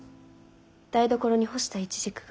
台所に干したイチジクが。